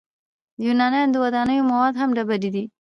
د یونانیانو د ودانیو مواد هم ډبرې وې.